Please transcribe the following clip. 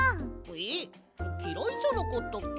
えっきらいじゃなかったっけ？